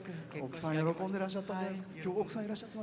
奥さん喜んでらっしゃったんじゃ。